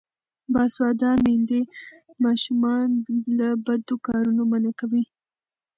باسواده میندې ماشومان له بدو کارونو منع کوي.